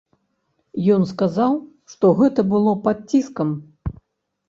Ён сказаў, што гэта было пад ціскам.